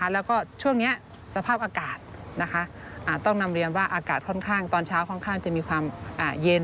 แล้วก็ช่วงนี้สภาพอากาศต้องนำเรียนว่าอากาศค่อนข้างตอนเช้าค่อนข้างจะมีความเย็น